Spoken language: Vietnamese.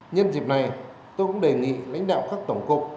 nhân dịp này tôi cũng đề nghị lãnh đạo các tổng cục